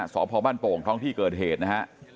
สพบ้านโป่งท้องที่เกิดเหตุนะฮะ